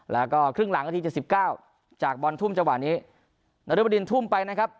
แล้วก็ครึ่งหลังนาที๗๙จากบอลทุ่มจังหวะนี้นรบดินทุ่มไปนะครับ